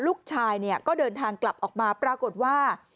ลูกชายก็เดินทางกลับออกมาปรากฏว่า